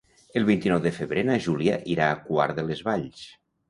El vint-i-nou de febrer na Júlia irà a Quart de les Valls.